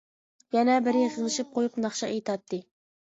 يەنە بىرى غىڭشىپ قويۇپ ناخشا ئېيتاتتى.